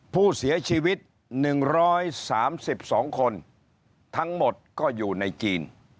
ผู้เสียชีวิต๑๓๒คนทั้งหมดก็อยู่ในจีน